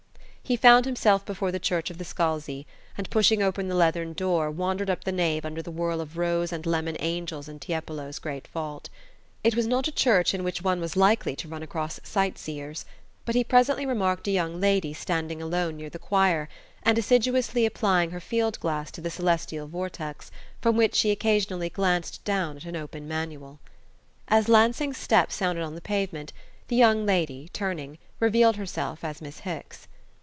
He found himself before the church of the Scalzi, and pushing open the leathern door wandered up the nave under the whirl of rose and lemon angels in Tiepolo's great vault. It was not a church in which one was likely to run across sight seers; but he presently remarked a young lady standing alone near the choir, and assiduously applying her field glass to the celestial vortex, from which she occasionally glanced down at an open manual. As Lansing's step sounded on the pavement, the young lady, turning, revealed herself as Miss Hicks.